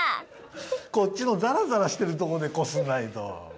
こっちのザラザラしてるとこでこすんないと。